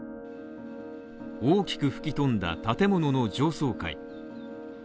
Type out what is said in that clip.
大きく吹き飛んだ建物の上層階。